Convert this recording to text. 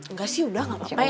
enggak sih udah nggak apa apa ya